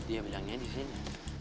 dia bilangnya di sini